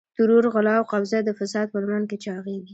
ترور، غلا او قبضه د فساد په لمن کې چاغېږي.